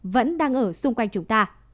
vẫn đang ở xung quanh chúng ta